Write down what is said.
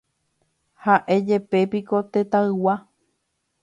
Háʼéjepepiko tetãygua.